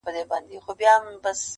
o لکه چرگ، غول خوري، مشوکه څنډي٫